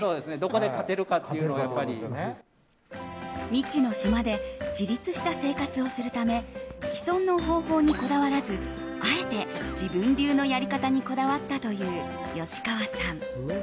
未知の島で自立した生活をするため既存の方法にこだわらずあえて自分流のやり方にこだわったという吉川さん。